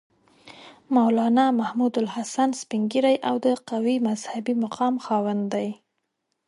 مولنا محمودالحسن سپین ږیری او د قوي مذهبي مقام خاوند دی.